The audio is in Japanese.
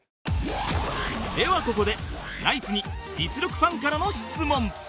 ではここでナイツに実力ファンからの質問